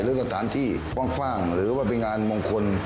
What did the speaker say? หรือกระตานที่คว่างหรือว่าไปงานมงคล